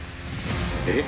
えっ？